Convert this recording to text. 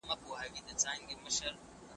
هغه د خاموشۍ په مانا پوه شوی و.